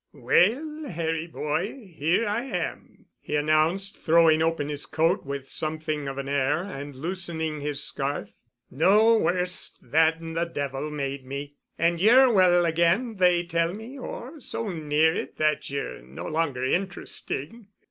"Well, Harry boy, here I am," he announced, throwing open his coat with something of an air, and loosening his scarf. "No worse than the devil made me. And ye're well again, they tell me, or so near it that ye're no longer interesting."